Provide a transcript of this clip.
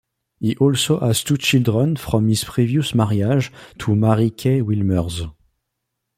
He also has two children from his previous marriage to Mary-Kay Wilmers.